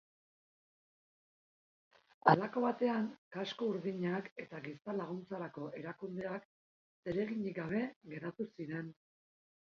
Halako batean kasko urdinak eta giza laguntzarako erakundeak zereginik gabe geratu ziren.